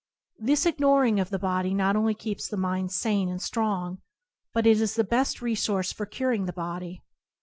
This ignoring of the body not only keeps the mind sane and strong, but it is the best resource for cur ing the body.